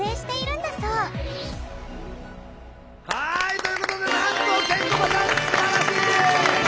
はいということでなんとケンコバさんすばらしい！